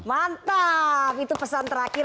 mantap itu pesan terakhir